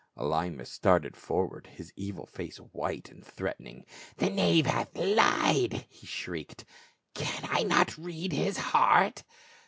Elymas started forward, his evil face white and threatening. "The knave hath lied!" he shrieked. "Can I not read his heart?"